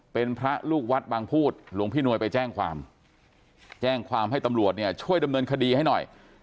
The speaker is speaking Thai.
เป็นพระลูกวัดบางพูดหลวงพี่นวยไปแจ้งความแจ้งความให้ตำรวจเนี่ยช่วยดำเนินคดีให้หน่อย